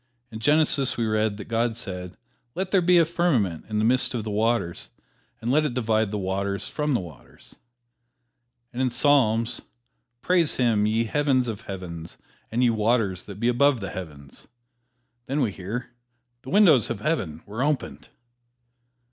In Genesis we read that God said, "Let there be a firmament in the midst of the waters, and let it divide the waters from the waters," And in Psalms, "Praise Him, ye heavens of heavens and ye waters that be above the heavens." Then we hear, "The windows of Heaven were opened."